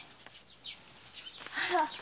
あら？